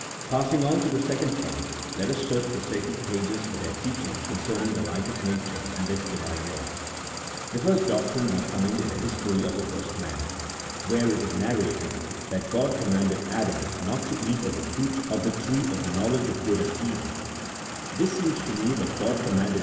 Passing on to the second point, let us search the sacred pages for their teaching concerning the light of nature and this Divine law. The first doctrine we find in the history of the first man, where it is narrated that God commanded Adam not to eat of the fruit of the tree of the knowledge of good and evil ; this seems to mean that God commanded F G6 A THEOLOGICO POLITICAL TREATISE. [CHAP. IV.